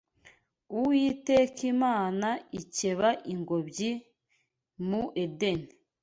Uwiteka Imana ikeba ingobyi mu Edeni